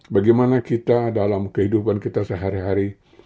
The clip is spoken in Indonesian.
bagaimana kita dalam kehidupan kita sehari hari